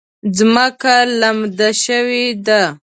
ځمکه لمده شوې ده